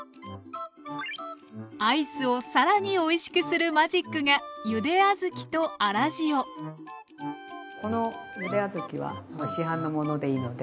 アイスをさらにおいしくするマジックがこのゆで小豆は市販のものでいいので。